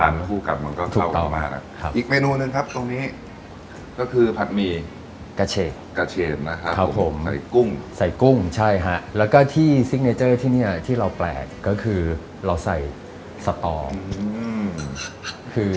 ทานคู่กับมันก็เข้ามาอีกเมนูหนึ่งครับตรงนี้ก็คือผัดหมี่กาเชดกาเชดนะครับผมใส่กุ้งใส่กุ้งใช่ฮะแล้วก็ที่ซิกเนเจอร์ที่เนี่ยที่เราแปลกก็คือเราใส่สตองคือ